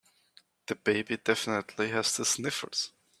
The baby definitely has the sniffles.